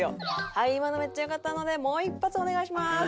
「はい今のめっちゃ良かったのでもう一発お願いします！」。